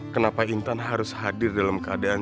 kenapa intan harus hadir dalam keadaan